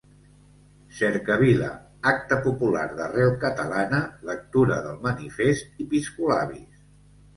Cercavila, acte popular d'arrel catalana, lectura del manifest i piscolabis.